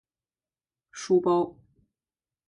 书包